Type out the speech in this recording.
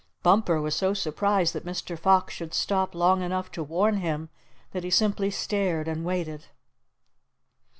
Bumper was so surprised that Mr. Fox should stop long enough to warn him that he simply stared and waited.